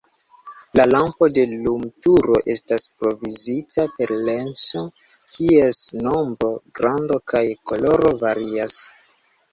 La lampo de lumturo estas provizita per lensoj, kies nombro, grando kaj koloro varias.